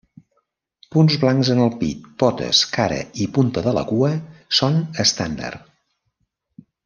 Punts blancs en el pit, potes, cara i punta de la cua són estàndard.